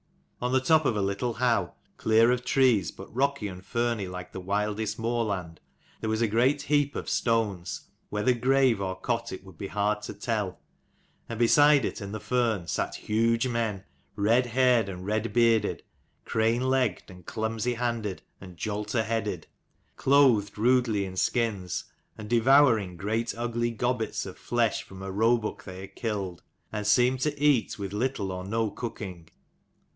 On the top of a little howe, clear of trees, but rocky and ferny like the wildest moorland, there was a great heap of stones, whether grave or cot it would be hard to tell : and beside it in the fern sat huge men, red haired and red bearded, crane legged and clumsy handed and jolter headed, clothed rudely in skins, and devouring great ugly gobbets of flesh from a roebuck they had killed, and seemed to eat with little or no cooking.